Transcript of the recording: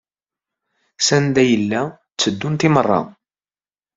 Sanda ay la tteddunt imir-a?